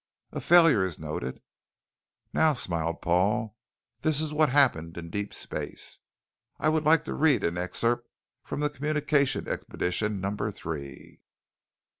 "A failure is noted. "Now," smiled Paul, "this is what happened in deep space. I would like to read an excerpt from the Communications Expedition Number Three